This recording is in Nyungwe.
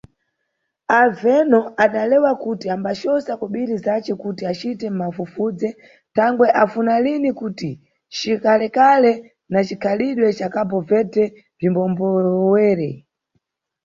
Alveno adalewa kuti ambacosa kubiri zace kuti acite mafufudze, thangwe anfunalini kuti cikalekale na cikhalidwe ca Cabo Verde bzwimbombowere.